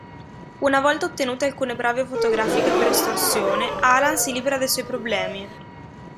Una volta ottenute alcune prove fotografiche per estorsione, Alan si libera dai suoi problemi.